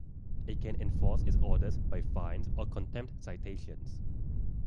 It can enforce its orders by fines or contempt citations.